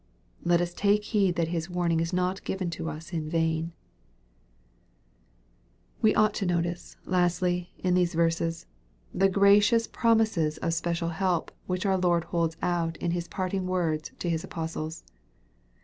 Let us take heed that His warning is not given to us in vain I 366 EXPOSITOKT THOUGHTS. We ought to notice, lastly, in these verses, the graciou* promises of special help which our Lord holds out in His parting words to His apostles.